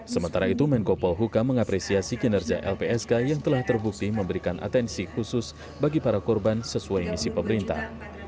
sementara itu menko polhukam mengapresiasi kinerja lpsk yang telah terbukti memberikan atensi khusus bagi para korban sesuai misi pemerintah